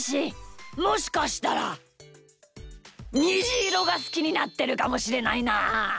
もしかしたらにじいろがすきになってるかもしれないなあ。